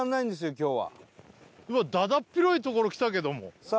今日はうわっだだっ広い所来たけどもさあ